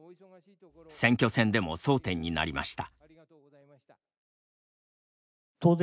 選挙戦でも争点になりました。